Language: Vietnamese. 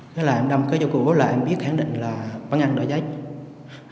cứ là em đâm kế vô cổ lại em biết khẳng định là bán ăn đã chạy